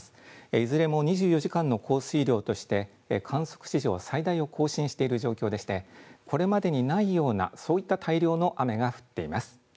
いずれも２４時間の降水量として観測史上、最大を更新している状況でしてこれまでにないようなそういった大量の雨が降っています。